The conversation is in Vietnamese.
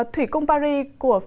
thủy cung paris của phú quỳnh